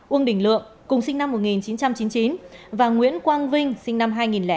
uông đỉnh lượng cùng sinh năm một nghìn chín trăm chín mươi chín và nguyễn quang vinh sinh năm hai nghìn chín